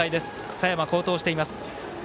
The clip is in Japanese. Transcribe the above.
佐山、好投しています。